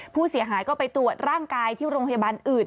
ผู้เสียหายก็ไปตรวจร่างกายที่โรงพยาบาลอื่น